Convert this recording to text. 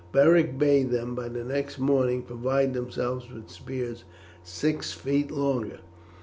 Beric bade them by the next morning provide themselves with spears six feet longer.